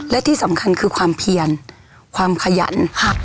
และที่สำคัญคือความเพียนความขยัน